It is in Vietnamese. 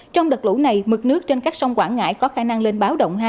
trong đợt lũ này mực nước trên các sông quảng ngãi có khả năng lên báo động hai